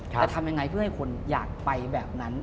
จะทำยังไงเพื่อให้คนอยากไปแบบนั้น